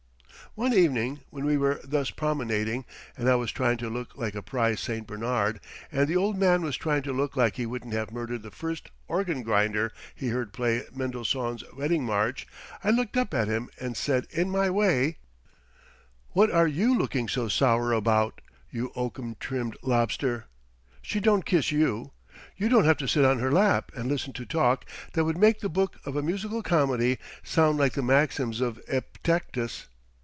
One evening when we were thus promenading, and I was trying to look like a prize St. Bernard, and the old man was trying to look like he wouldn't have murdered the first organ grinder he heard play Mendelssohn's wedding march, I looked up at him and said, in my way: "What are you looking so sour about, you oakum trimmed lobster? She don't kiss you. You don't have to sit on her lap and listen to talk that would make the book of a musical comedy sound like the maxims of Epictetus.